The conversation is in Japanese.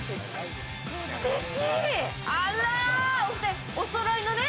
すてき！